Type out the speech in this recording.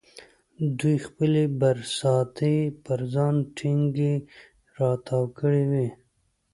دوی خپلې برساتۍ پر ځان ټینګې را تاو کړې وې.